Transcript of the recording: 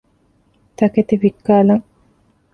ތަކެތި ވިއްކާލަން